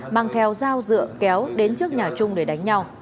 mang theo dao dựa kéo đến trước nhà trung để đánh nhau